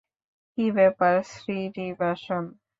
কী ব্যাপার, শ্রীনিবাসন?